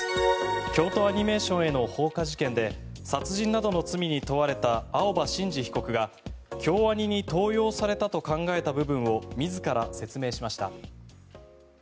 京都アニメーションへの放火事件で殺人などの罪に問われた青葉真司被告が京アニに盗用されたと考えた部分を自ら説明しました。